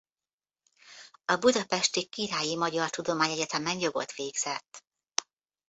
A Budapesti Királyi Magyar Tudomány-Egyetemen jogot végzett.